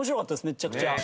めちゃくちゃ。